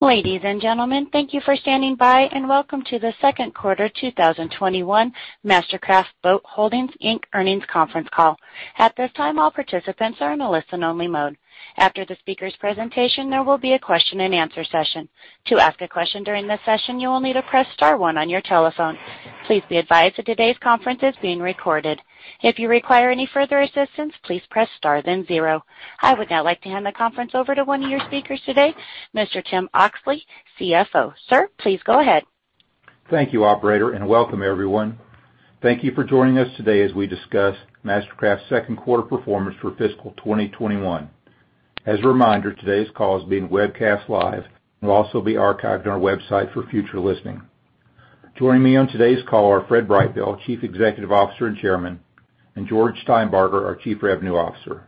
Ladies and gentlemen, thank you for standing by, and welcome to the second quarter 2021 MasterCraft Boat Holdings, Inc. earnings conference call. At this time, all participants are in a listen-only mode. After the speaker's presentation, there will be a question and answer session. Please be advised that today's conference is being recorded. I would now like to hand the conference over to one of your speakers today, Mr. Tim Oxley, CFO. Sir, please go ahead. Thank you, operator, and welcome everyone. Thank you for joining us today as we discuss MasterCraft's second quarter performance for FY 2021. As a reminder, today's call is being webcast live and will also be archived on our website for future listening. Joining me on today's call are Fred Brightbill, Chief Executive Officer and Chairman, and George Steinbarger, our Chief Revenue Officer.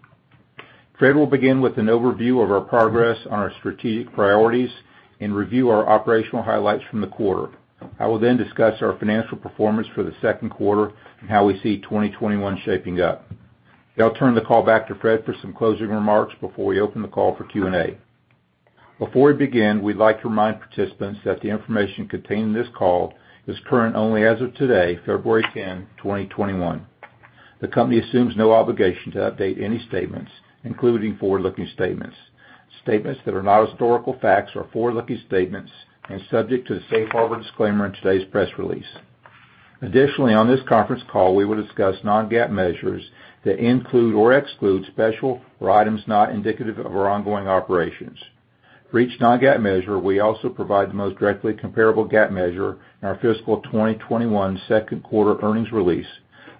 Fred will begin with an overview of our progress on our strategic priorities and review our operational highlights from the quarter. I will discuss our financial performance for the second quarter and how we see 2021 shaping up. I'll turn the call back to Fred for some closing remarks before we open the call for Q&A. Before we begin, we'd like to remind participants that the information contained in this call is current only as of today, February 10, 2021. The company assumes no obligation to update any statements, including forward-looking statements. Statements that are not historical facts are forward-looking statements and subject to the safe harbor disclaimer in today's press release. Additionally, on this conference call, we will discuss non-GAAP measures that include or exclude special or items not indicative of our ongoing operations. For each non-GAAP measure, we also provide the most directly comparable GAAP measure in our fiscal 2021 second quarter earnings release,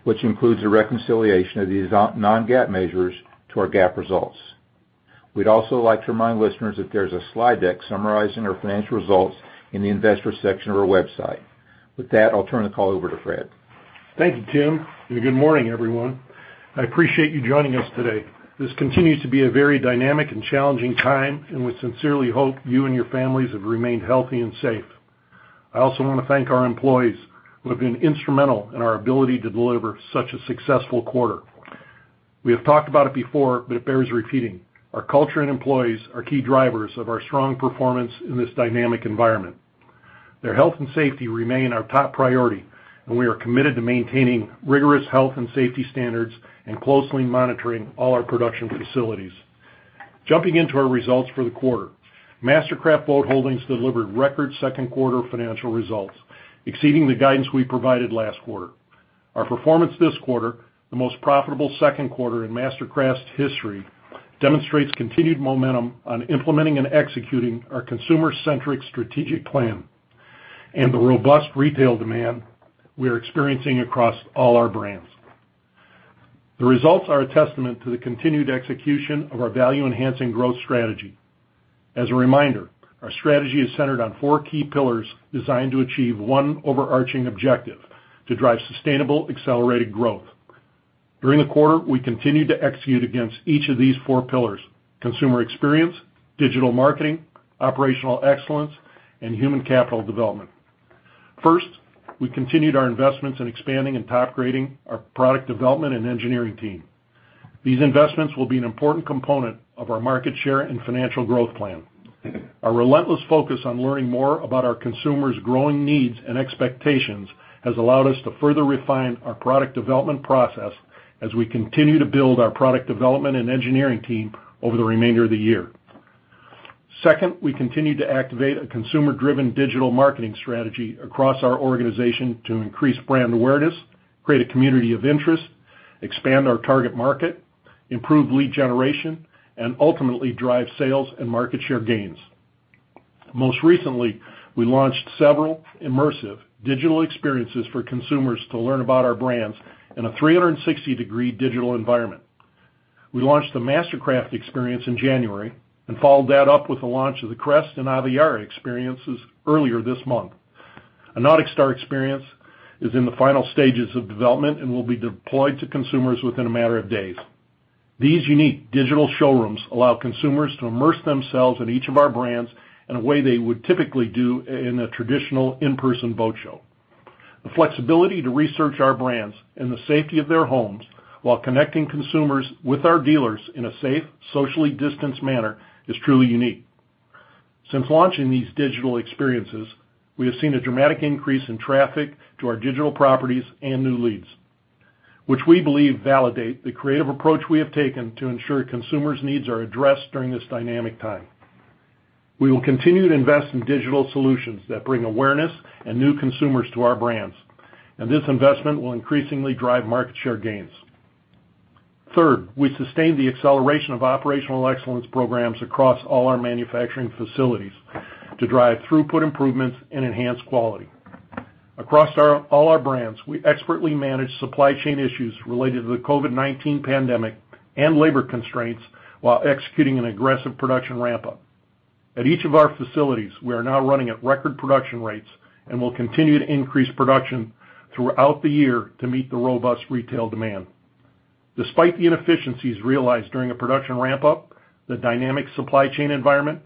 which includes a reconciliation of these non-GAAP measures to our GAAP results. We'd also like to remind listeners that there's a slide deck summarizing our financial results in the investor section of our website. With that, I'll turn the call over to Fred. Thank you, Tim, and good morning, everyone. I appreciate you joining us today. This continues to be a very dynamic and challenging time, and we sincerely hope you and your families have remained healthy and safe. I also want to thank our employees who have been instrumental in our ability to deliver such a successful quarter. We have talked about it before, but it bears repeating. Our culture and employees are key drivers of our strong performance in this dynamic environment. Their health and safety remain our top priority, and we are committed to maintaining rigorous health and safety standards and closely monitoring all our production facilities. Jumping into our results for the quarter. MasterCraft Boat Holdings delivered record second quarter financial results, exceeding the guidance we provided last quarter. Our performance this quarter, the most profitable second quarter in MasterCraft's history, demonstrates continued momentum on implementing and executing our consumer-centric strategic plan and the robust retail demand we're experiencing across all our brands. The results are a testament to the continued execution of our value-enhancing growth strategy. As a reminder, our strategy is centered on four key pillars designed to achieve one overarching objective: to drive sustainable, accelerated growth. During the quarter, we continued to execute against each of these four pillars: consumer experience, digital marketing, operational excellence, and human capital development. First, we continued our investments in expanding and top-grading our product development and engineering team. These investments will be an important component of our market share and financial growth plan. Our relentless focus on learning more about our consumers' growing needs and expectations has allowed us to further refine our product development process as we continue to build our product development and engineering team over the remainder of the year. We continued to activate a consumer-driven digital marketing strategy across our organization to increase brand awareness, create a community of interest, expand our target market, improve lead generation, and ultimately drive sales and market share gains. Most recently, we launched several immersive digital experiences for consumers to learn about our brands in a 360-degree digital environment. We launched the MasterCraft experience in January and followed that up with the launch of the Crest and Aviara experiences earlier this month. A NauticStar experience is in the final stages of development and will be deployed to consumers within a matter of days. These unique digital showrooms allow consumers to immerse themselves in each of our brands in a way they would typically do in a traditional in-person boat show. The flexibility to research our brands in the safety of their homes while connecting consumers with our dealers in a safe, socially distanced manner is truly unique. Since launching these digital experiences, we have seen a dramatic increase in traffic to our digital properties and new leads, which we believe validate the creative approach we have taken to ensure consumers' needs are addressed during this dynamic time. We will continue to invest in digital solutions that bring awareness and new consumers to our brands. This investment will increasingly drive market share gains. Third, we sustained the acceleration of operational excellence programs across all our manufacturing facilities to drive throughput improvements and enhance quality. Across all our brands, we expertly managed supply chain issues related to the COVID-19 pandemic and labor constraints while executing an aggressive production ramp-up. At each of our facilities, we are now running at record production rates and will continue to increase production throughout the year to meet the robust retail demand. Despite the inefficiencies realized during a production ramp-up, the dynamic supply chain environment,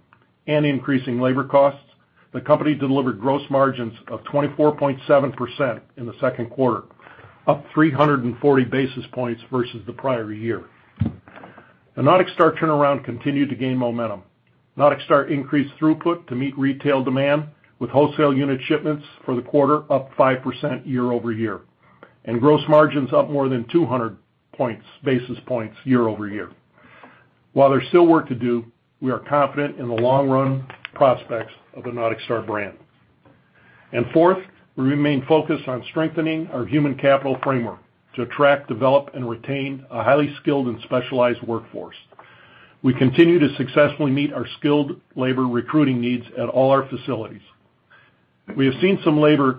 and increasing labor costs, the company delivered gross margins of 24.7% in the second quarter, up 340 basis points versus the prior year. The NauticStar turnaround continued to gain momentum. NauticStar increased throughput to meet retail demand, with wholesale unit shipments for the quarter up 5% year-over-year, and gross margins up more than 200 basis points year-over-year. While there's still work to do, we are confident in the long-run prospects of the NauticStar brand. Fourth, we remain focused on strengthening our human capital framework to attract, develop, and retain a highly skilled and specialized workforce. We continue to successfully meet our skilled labor recruiting needs at all our facilities. We have seen some labor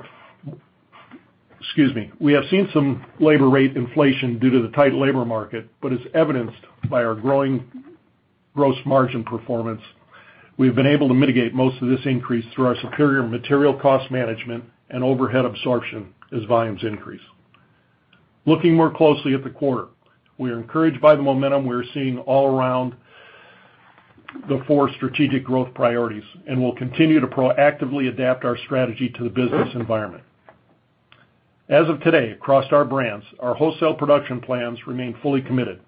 rate inflation due to the tight labor market, but as evidenced by our growing gross margin performance, we've been able to mitigate most of this increase through our superior material cost management and overhead absorption as volumes increase. Looking more closely at the quarter, we are encouraged by the momentum we are seeing all around the four strategic growth priorities and will continue to proactively adapt our strategy to the business environment. As of today, across our brands, our wholesale production plans remain fully committed.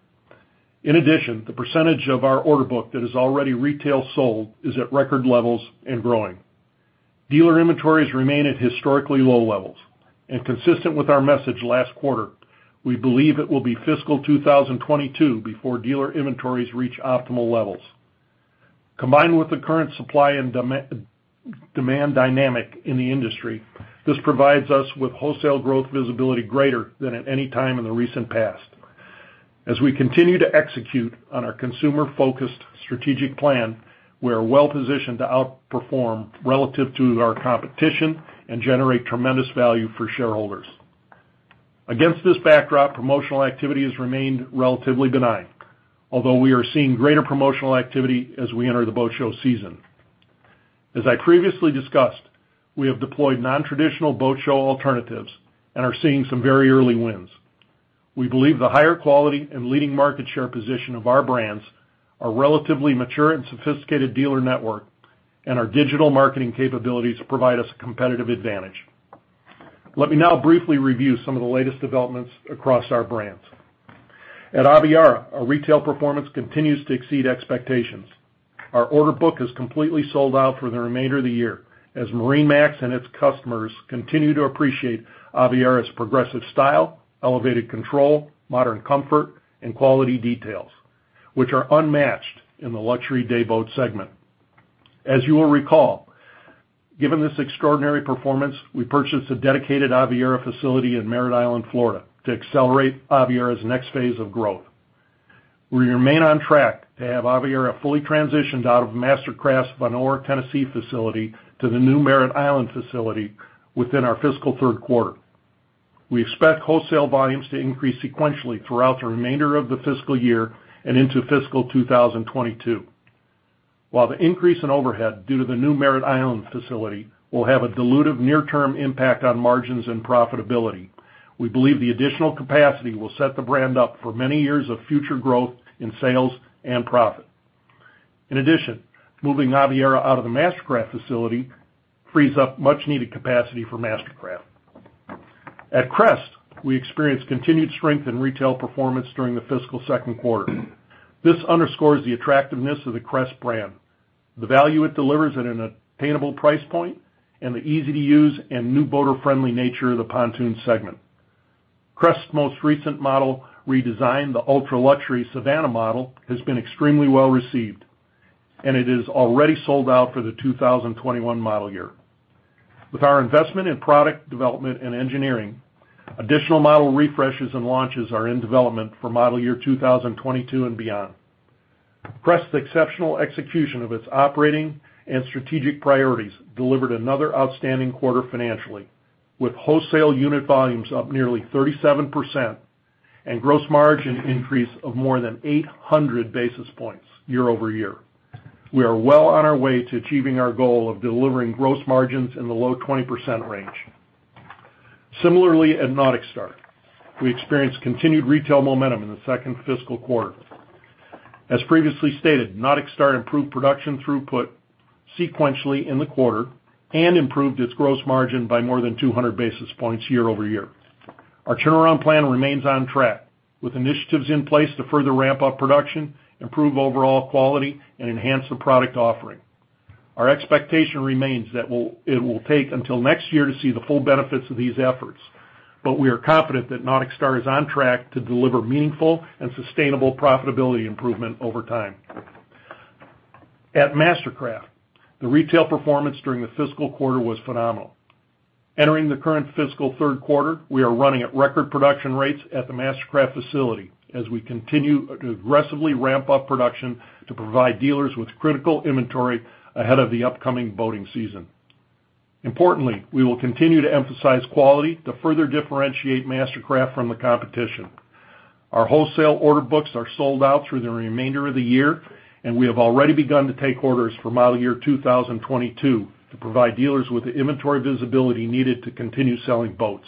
In addition, the percentage of our order book that is already retail sold is at record levels and growing. Dealer inventories remain at historically low levels. Consistent with our message last quarter, we believe it will be fiscal 2022 before dealer inventories reach optimal levels. Combined with the current supply and demand dynamic in the industry, this provides us with wholesale growth visibility greater than at any time in the recent past. As we continue to execute on our consumer-focused strategic plan, we are well-positioned to outperform relative to our competition and generate tremendous value for shareholders. Against this backdrop, promotional activity has remained relatively benign, although we are seeing greater promotional activity as we enter the boat show season. As I previously discussed, we have deployed non-traditional boat show alternatives and are seeing some very early wins. We believe the higher quality and leading market share position of our brands, our relatively mature and sophisticated dealer network, and our digital marketing capabilities provide us competitive advantage. Let me now briefly review some of the latest developments across our brands. At Aviara, our retail performance continues to exceed expectations. Our order book is completely sold out for the remainder of the year as MarineMax and its customers continue to appreciate Aviara's progressive style, elevated control, modern comfort, and quality details, which are unmatched in the luxury day boat segment. As you will recall, given this extraordinary performance, we purchased a dedicated Aviara facility in Merritt Island, Florida, to accelerate Aviara's next phase of growth. We remain on track to have Aviara fully transitioned out of MasterCraft's Vonore, Tennessee, facility to the new Merritt Island facility within our fiscal third quarter. We expect wholesale volumes to increase sequentially throughout the remainder of the fiscal year and into fiscal 2022. While the increase in overhead due to the new Merritt Island facility will have a dilutive near-term impact on margins and profitability, we believe the additional capacity will set the brand up for many years of future growth in sales and profit. In addition, moving Aviara out of the MasterCraft facility frees up much needed capacity for MasterCraft. At Crest, we experienced continued strength in retail performance during the fiscal second quarter. This underscores the attractiveness of the Crest brand, the value it delivers at an attainable price point, and the easy-to-use and new boater-friendly nature of the pontoon segment. Crest's most recent model redesign, the ultra-luxury Savannah model, has been extremely well-received, and it is already sold out for the 2021 model year. With our investment in product development and engineering, additional model refreshes and launches are in development for model year 2022 and beyond. Crest's exceptional execution of its operating and strategic priorities delivered another outstanding quarter financially, with wholesale unit volumes up nearly 37% and gross margin increase of more than 800 basis points year-over-year. We are well on our way to achieving our goal of delivering gross margins in the low 20% range. Similarly, at NauticStar, we experienced continued retail momentum in the second fiscal quarter. As previously stated, NauticStar improved production throughput sequentially in the quarter and improved its gross margin by more than 200 basis points year-over-year. Our turnaround plan remains on track, with initiatives in place to further ramp up production, improve overall quality, and enhance the product offering. Our expectation remains that it will take until next year to see the full benefits of these efforts, but we are confident that NauticStar is on track to deliver meaningful and sustainable profitability improvement over time. At MasterCraft, the retail performance during the fiscal quarter was phenomenal. Entering the current fiscal third quarter, we are running at record production rates at the MasterCraft facility as we continue to aggressively ramp up production to provide dealers with critical inventory ahead of the upcoming boating season. Importantly, we will continue to emphasize quality to further differentiate MasterCraft from the competition. Our wholesale order books are sold out through the remainder of the year, and we have already begun to take orders for model year 2022 to provide dealers with the inventory visibility needed to continue selling boats.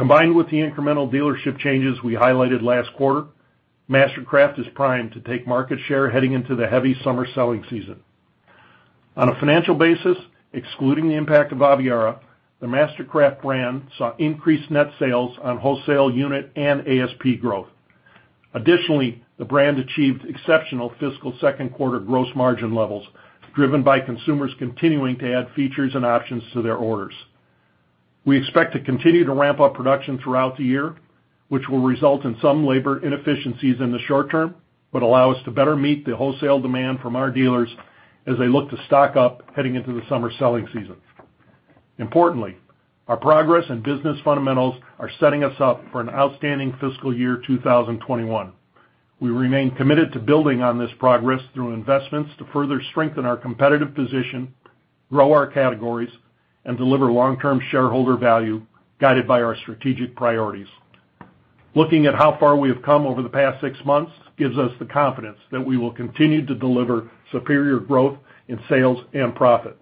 Combined with the incremental dealership changes we highlighted last quarter, MasterCraft is primed to take market share heading into the heavy summer selling season. On a financial basis, excluding the impact of Aviara, the MasterCraft brand saw increased net sales on wholesale unit and ASP growth. Additionally, the brand achieved exceptional fiscal second quarter gross margin levels, driven by consumers continuing to add features and options to their orders. We expect to continue to ramp up production throughout the year, which will result in some labor inefficiencies in the short term, but allow us to better meet the wholesale demand from our dealers as they look to stock up heading into the summer selling season. Importantly, our progress and business fundamentals are setting us up for an outstanding fiscal year 2021. We remain committed to building on this progress through investments to further strengthen our competitive position, grow our categories, and deliver long-term shareholder value, guided by our strategic priorities. Looking at how far we have come over the past six months gives us the confidence that we will continue to deliver superior growth in sales and profit.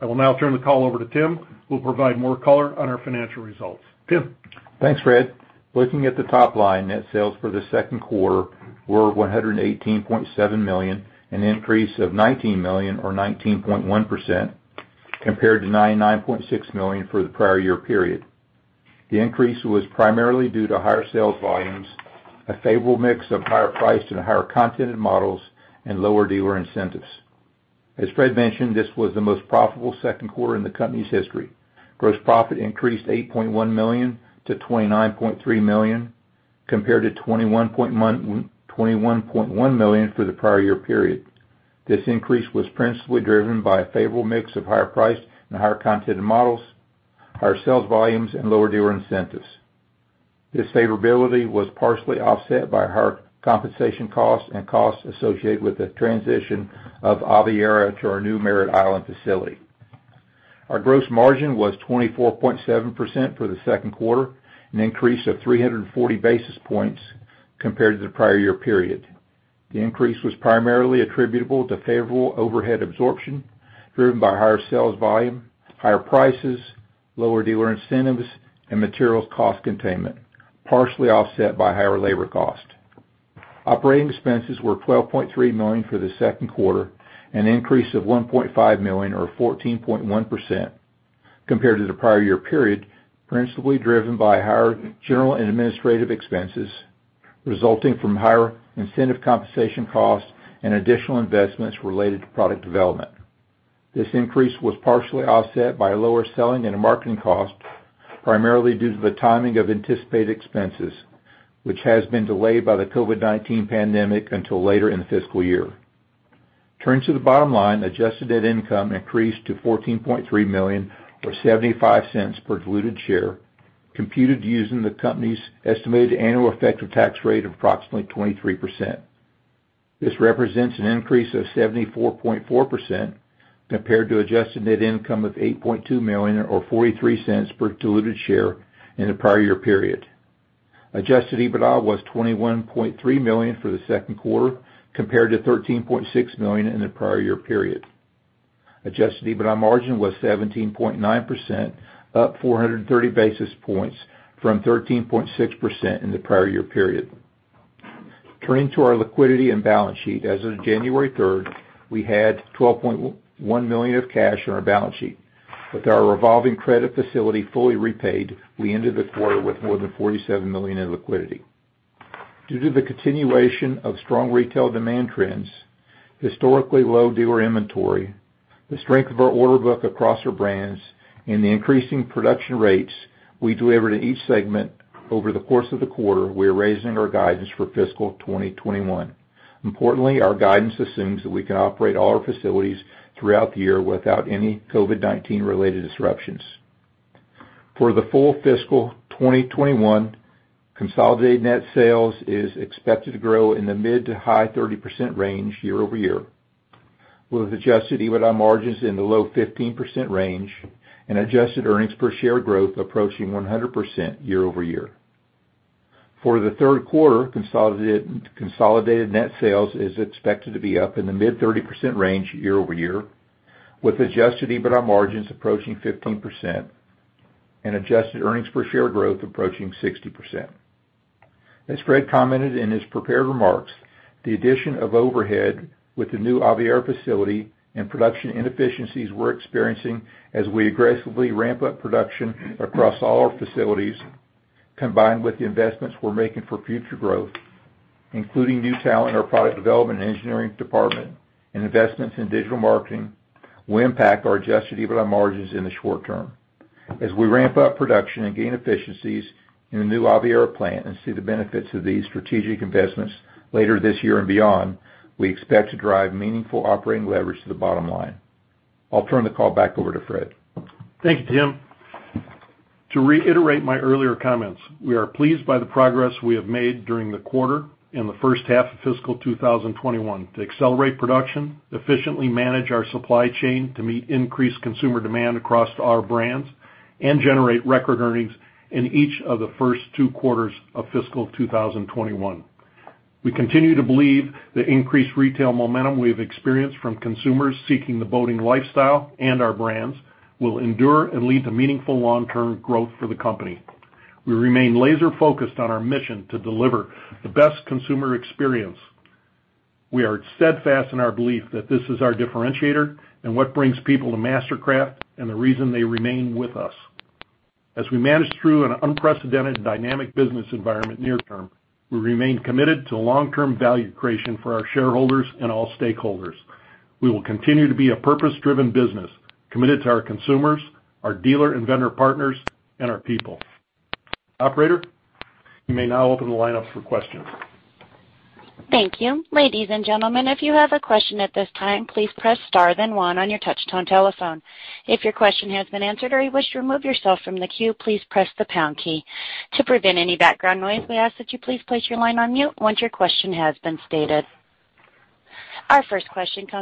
I will now turn the call over to Tim, who will provide more color on our financial results. Tim? Thanks, Fred. Looking at the top line, net sales for the second quarter were $118.7 million, an increase of $19 million or 19.1% compared to $99.6 million for the prior year period. The increase was primarily due to higher sales volumes, a favorable mix of higher priced and higher contented models, and lower dealer incentives. As Fred mentioned, this was the most profitable second quarter in the company's history. Gross profit increased $8.1 million-$29.3 million, compared to $21.1 million for the prior year period. This increase was principally driven by a favorable mix of higher priced and higher contented models, higher sales volumes, and lower dealer incentives. This favorability was partially offset by higher compensation costs and costs associated with the transition of Aviara to our new Merritt Island facility. Our gross margin was 24.7% for the second quarter, an increase of 340 basis points compared to the prior year period. The increase was primarily attributable to favorable overhead absorption, driven by higher sales volume, higher prices, lower dealer incentives, and materials cost containment, partially offset by higher labor cost. Operating expenses were $12.3 million for the second quarter, an increase of $1.5 million or 14.1% compared to the prior year period, principally driven by higher general and administrative expenses resulting from higher incentive compensation costs and additional investments related to product development. This increase was partially offset by lower selling and marketing costs, primarily due to the timing of anticipated expenses, which has been delayed by the COVID-19 pandemic until later in the fiscal year. Turning to the bottom line, adjusted net income increased to $14.3 million or $0.75 per diluted share, computed using the company's estimated annual effective tax rate of approximately 23%. This represents an increase of 74.4% compared to adjusted net income of $8.2 million or $0.43 per diluted share in the prior year period. Adjusted EBITDA was $21.3 million for the second quarter, compared to $13.6 million in the prior year period. Adjusted EBITDA margin was 17.9%, up 430 basis points from 13.6% in the prior year period. Turning to our liquidity and balance sheet, as of January 3rd, we had $12.1 million of cash on our balance sheet. With our revolving credit facility fully repaid, we ended the quarter with more than $47 million in liquidity. Due to the continuation of strong retail demand trends, historically low dealer inventory, the strength of our order book across our brands, and the increasing production rates we delivered in each segment over the course of the quarter, we're raising our guidance for fiscal 2021. Importantly, our guidance assumes that we can operate all our facilities throughout the year without any COVID-19 related disruptions. For the full fiscal 2021, consolidated net sales is expected to grow in the mid to high 30% range year over year, with adjusted EBITDA margins in the low 15% range and adjusted earnings per share growth approaching 100% year over year. For the third quarter, consolidated net sales is expected to be up in the mid 30% range year over year, with adjusted EBITDA margins approaching 15% and adjusted earnings per share growth approaching 60%. As Fred commented in his prepared remarks, the addition of overhead with the new Aviara facility and production inefficiencies we're experiencing as we aggressively ramp up production across all our facilities, combined with the investments we're making for future growth, including new talent in our product development and engineering department and investments in digital marketing, will impact our adjusted EBITDA margins in the short term. As we ramp up production and gain efficiencies in the new Aviara plant and see the benefits of these strategic investments later this year and beyond, we expect to drive meaningful operating leverage to the bottom line. I'll turn the call back over to Fred. Thank you, Tim. To reiterate my earlier comments, we are pleased by the progress we have made during the quarter and the first half of fiscal 2021 to accelerate production, efficiently manage our supply chain to meet increased consumer demand across our brands, and generate record earnings in each of the first two quarters of fiscal 2021. We continue to believe the increased retail momentum we have experienced from consumers seeking the boating lifestyle and our brands will endure and lead to meaningful long-term growth for the company. We remain laser focused on our mission to deliver the best consumer experience. We are steadfast in our belief that this is our differentiator and what brings people to MasterCraft and the reason they remain with us. As we manage through an unprecedented dynamic business environment near term, we remain committed to long-term value creation for our shareholders and all stakeholders. We will continue to be a purpose-driven business, committed to our consumers, our dealer and vendor partners, and our people. Operator, you may now open the lineup for questions. Our first question comes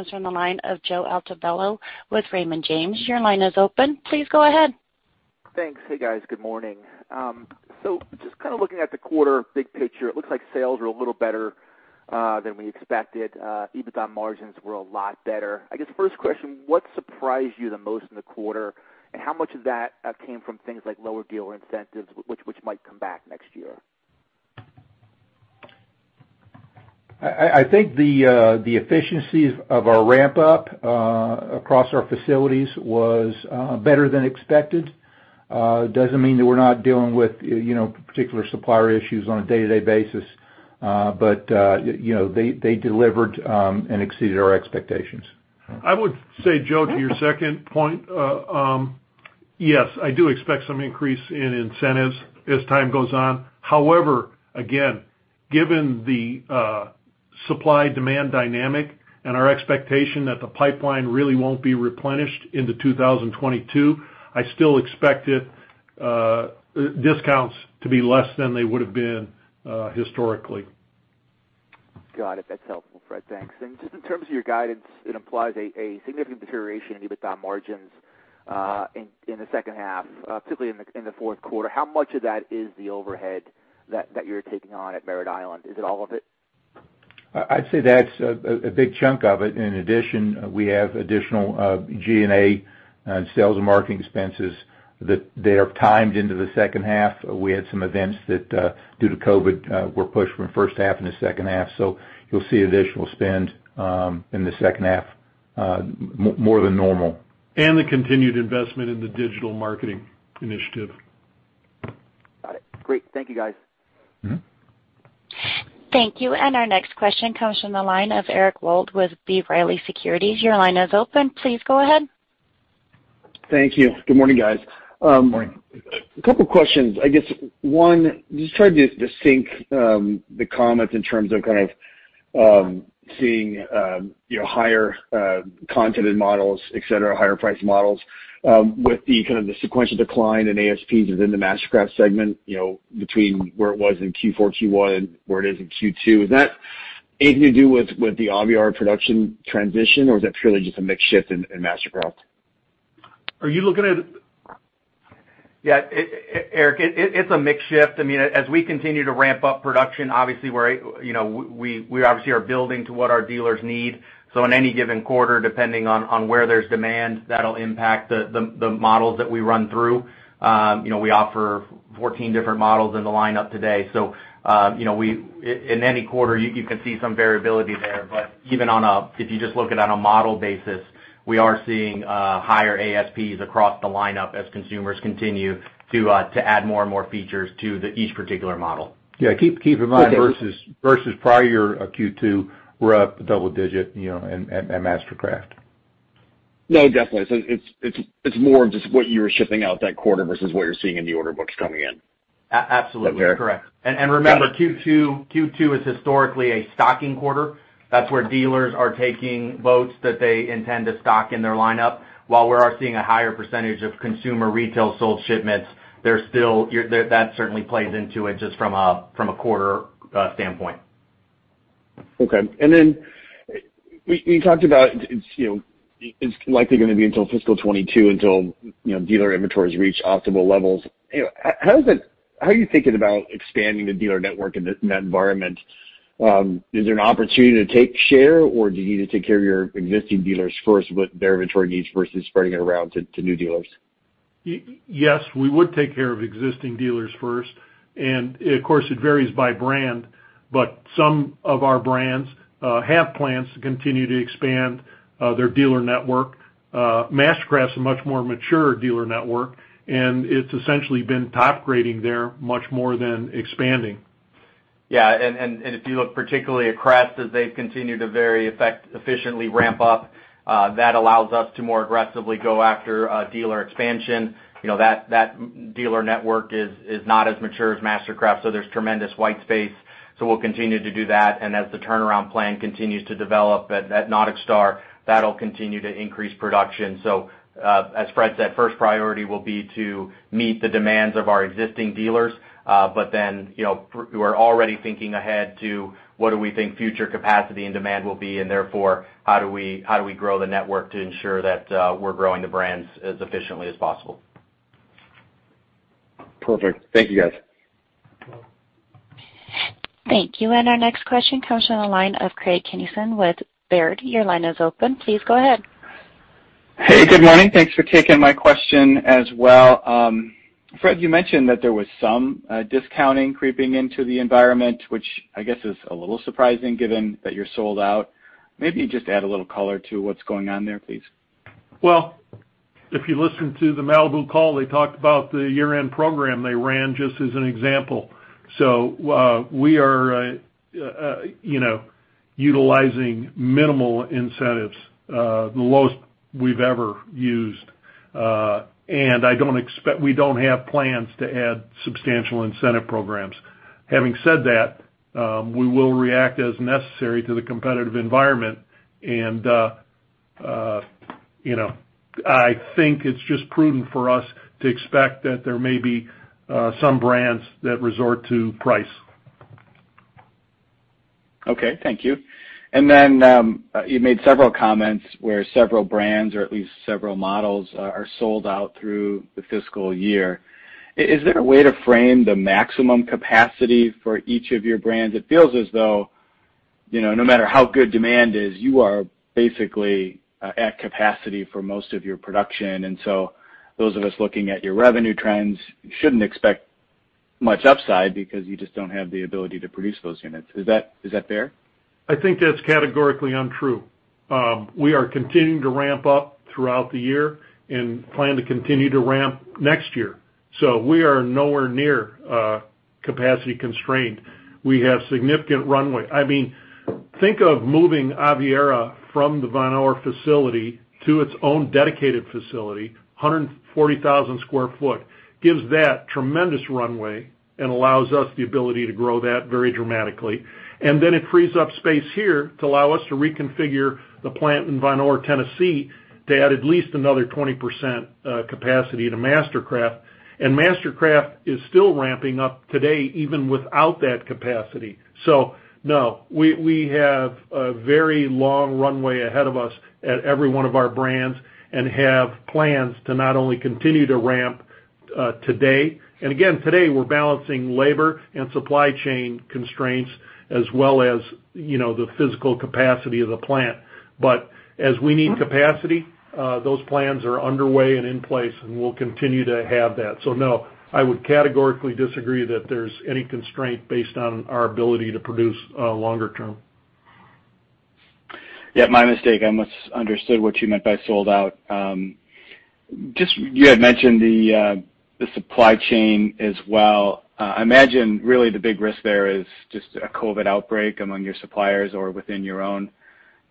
from the line of Joe Altobello with Raymond James. Your line is open. Please go ahead. Thanks. Hey, guys. Good morning. Just kind of looking at the quarter big picture, it looks like sales were a little better than we expected. EBITDA margins were a lot better. I guess first question, what surprised you the most in the quarter, and how much of that came from things like lower dealer incentives, which might come back next year? I think the efficiencies of our ramp-up across our facilities was better than expected. Doesn't mean that we're not dealing with particular supplier issues on a day-to-day basis. They delivered and exceeded our expectations. I would say, Joe, to your second point, yes, I do expect some increase in incentives as time goes on. Again, given the supply-demand dynamic and our expectation that the pipeline really won't be replenished into 2022, I still expect discounts to be less than they would've been historically. Got it. That's helpful, Fred. Thanks. Just in terms of your guidance, it implies a significant deterioration in EBITDA margins in the second half, particularly in the fourth quarter. How much of that is the overhead that you're taking on at Merritt Island? Is it all of it? I'd say that's a big chunk of it. In addition, we have additional G&A and sales and marketing expenses that are timed into the second half. We had some events that, due to COVID, were pushed from the first half into the second half. You'll see additional spend in the second half, more than normal. The continued investment in the digital marketing initiative. Got it. Great. Thank you, guys. Thank you. Our next question comes from the line of Eric Wold with B. Riley Securities. Your line is open. Please go ahead. Thank you. Good morning, guys. Good morning. A couple questions. I guess, one, just trying to sync the comments in terms of kind of seeing higher contented models, et cetera, higher priced models with the kind of the sequential decline in ASPs within the MasterCraft segment between where it was in Q4, Q1 and where it is in Q2. Is that anything to do with the Aviara production transition or is that purely just a mix shift in MasterCraft? Are you looking at? Yeah, Eric, it's a mix shift. As we continue to ramp up production, we obviously are building to what our dealers need. In any given quarter, depending on where there's demand, that'll impact the models that we run through. We offer 14 different models in the lineup today. In any quarter, you can see some variability there. Even if you just look at it on a model basis, we are seeing higher ASPs across the lineup as consumers continue to add more and more features to each particular model. Yeah, keep in mind. Okay versus prior Q2, we're up double digit at MasterCraft. No, definitely. It's more of just what you were shipping out that quarter versus what you're seeing in the order books coming in. Absolutely. Okay. Correct. Got it. Q2 is historically a stocking quarter. That's where dealers are taking boats that they intend to stock in their lineup. While we are seeing a higher percentage of consumer retail sold shipments, that certainly plays into it just from a quarter standpoint. Okay. You talked about it's likely going to be until fiscal 2022 until dealer inventories reach optimal levels. How are you thinking about expanding the dealer network in that environment? Is there an opportunity to take share, or do you need to take care of your existing dealers first with their inventory needs versus spreading it around to new dealers? Yes, we would take care of existing dealers first, and of course it varies by brand, but some of our brands have plans to continue to expand their dealer network. MasterCraft's a much more mature dealer network, and it's essentially been top grading there much more than expanding. If you look particularly at Crest, as they've continued to very efficiently ramp up, that allows us to more aggressively go after dealer expansion. That dealer network is not as mature as MasterCraft, so there's tremendous white space. We'll continue to do that, and as the turnaround plan continues to develop at NauticStar, that'll continue to increase production. As Fred said, first priority will be to meet the demands of our existing dealers. We're already thinking ahead to what do we think future capacity and demand will be, and therefore, how do we grow the network to ensure that we're growing the brands as efficiently as possible. Perfect. Thank you, guys. Thank you. Our next question comes from the line of Craig Kennison with Baird. Your line is open. Please go ahead. Hey, good morning. Thanks for taking my question as well. Fred, you mentioned that there was some discounting creeping into the environment, which I guess is a little surprising given that you're sold out. Maybe just add a little color to what's going on there, please. Well, if you listen to the Malibu call, they talked about the year-end program they ran just as an example. We are utilizing minimal incentives, the lowest we've ever used. We don't have plans to add substantial incentive programs. Having said that, we will react as necessary to the competitive environment. I think it's just prudent for us to expect that there may be some brands that resort to price. Okay. Thank you. You made several comments where several brands, or at least several models, are sold out through the fiscal year. Is there a way to frame the maximum capacity for each of your brands? It feels as though, no matter how good demand is, you are basically at capacity for most of your production. Those of us looking at your revenue trends shouldn't expect much upside because you just don't have the ability to produce those units. Is that fair? I think that's categorically untrue. We are continuing to ramp up throughout the year and plan to continue to ramp next year. We are nowhere near capacity constrained. We have significant runway. Think of moving Aviara from the Vonore facility to its own dedicated facility, 140,000 sq ft, gives that tremendous runway and allows us the ability to grow that very dramatically. It frees up space here to allow us to reconfigure the plant in Vonore, Tennessee, to add at least another 20% capacity to MasterCraft. MasterCraft is still ramping up today, even without that capacity. No, we have a very long runway ahead of us at every one of our brands and have plans to not only continue to ramp today. Today, we're balancing labor and supply chain constraints as well as the physical capacity of the plant. As we need capacity, those plans are underway and in place, and we'll continue to have that. No, I would categorically disagree that there's any constraint based on our ability to produce longer term. Yeah, my mistake. I misunderstood what you meant by sold out. You had mentioned the supply chain as well. I imagine, really the big risk there is just a COVID outbreak among your suppliers or within your own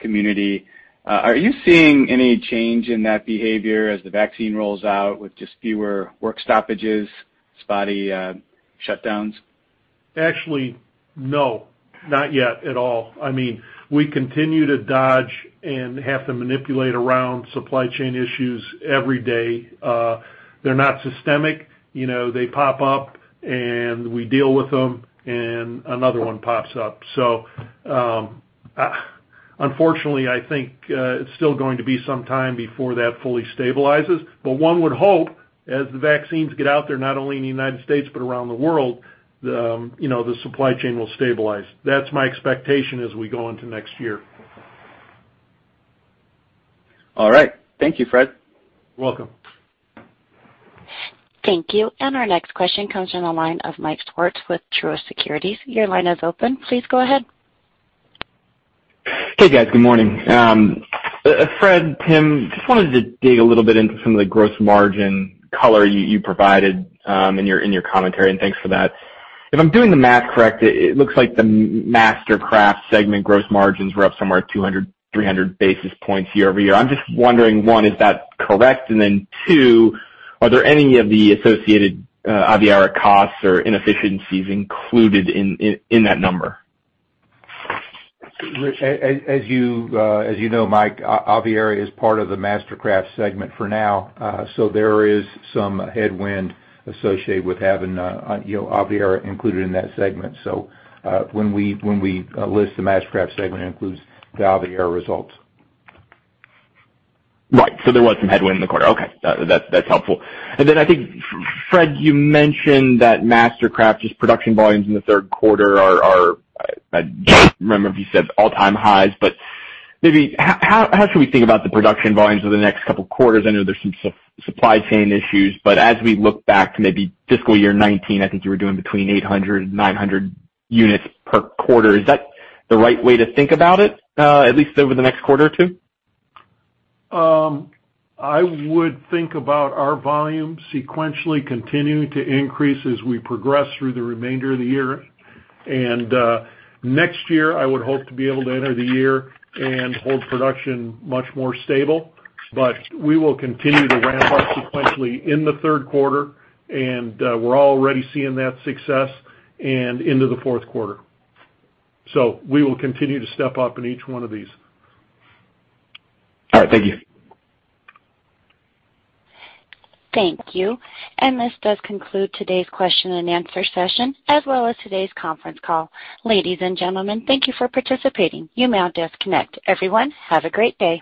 community. Are you seeing any change in that behavior as the vaccine rolls out with just fewer work stoppages, spotty shutdowns? Actually, no, not yet at all. We continue to dodge and have to manipulate around supply chain issues every day. They're not systemic. They pop up, and we deal with them, and another one pops up. Unfortunately, I think it's still going to be some time before that fully stabilizes. One would hope as the vaccines get out there, not only in the United States but around the world, the supply chain will stabilize. That's my expectation as we go into next year. All right. Thank you, Fred. Welcome. Thank you. Our next question comes from the line of Mike Swartz with Truist Securities. Your line is open. Please go ahead. Hey, guys. Good morning. Fred, Tim, just wanted to dig a little bit into some of the gross margin color you provided in your commentary. Thanks for that. If I'm doing the math correct, it looks like the MasterCraft segment gross margins were up somewhere at 200, 300 basis points year-over-year. I'm just wondering, one, is that correct? Then two, are there any of the associated Aviara costs or inefficiencies included in that number? As you know, Mike, Aviara is part of the MasterCraft Segment for now. There is some headwind associated with having Aviara included in that Segment. When we list the MasterCraft Segment, it includes the Aviara results. Right. There was some headwind in the quarter. Okay. That's helpful. I think, Fred, you mentioned that MasterCraft's production volumes in the third quarter are, I don't remember if you said all-time highs. Maybe how should we think about the production volumes over the next couple of quarters? I know there's some supply chain issues, but as we look back to maybe fiscal year 2019, I think you were doing between 800 and 900 units per quarter. Is that the right way to think about it, at least over the next quarter or two? I would think about our volume sequentially continuing to increase as we progress through the remainder of the year. Next year, I would hope to be able to enter the year and hold production much more stable. We will continue to ramp up sequentially in the third quarter, and we're already seeing that success, and into the fourth quarter. We will continue to step up in each one of these. All right. Thank you. Thank you. This does conclude today's question and answer session, as well as today's conference call. Ladies and gentlemen, thank you for participating. You may all disconnect. Everyone, have a great day.